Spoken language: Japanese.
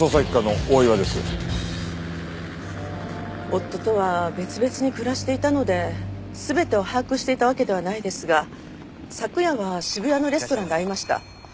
夫とは別々に暮らしていたので全てを把握していたわけではないですが昨夜は渋谷のレストランで会いました。